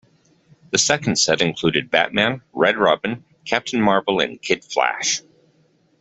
The second set included Batman, Red Robin, Captain Marvel, and Kid Flash.